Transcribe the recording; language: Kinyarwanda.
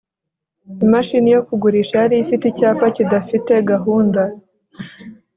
imashini yo kugurisha yari ifite icyapa kidafite gahunda